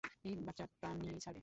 এই বাচ্চা প্রাণ নিয়েই ছাড়বে।